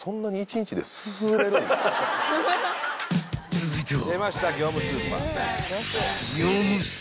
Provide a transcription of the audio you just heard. ［続いては］